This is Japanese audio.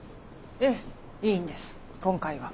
ええいいんです今回は。